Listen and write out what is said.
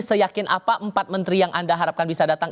seyakin apa empat menteri yang anda harapkan bisa datang